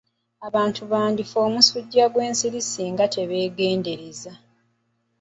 Abantu bandi fa omusujja gw'ensiri singa tebegendereza.